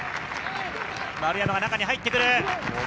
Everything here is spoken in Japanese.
丸山が中に入ってくる。